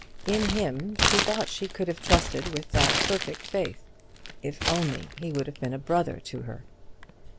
In him she thought she could have trusted with that perfect faith; if only he would have been a brother to her.